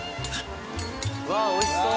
うわ美味しそう！